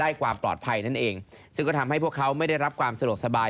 ความปลอดภัยนั่นเองซึ่งก็ทำให้พวกเขาไม่ได้รับความสะดวกสบาย